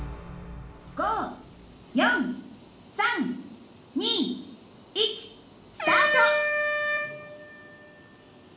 「５４３２１スタート！」。